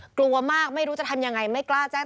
กลัวมากไม่รู้จะทำยังไงไม่กล้าแจ้ง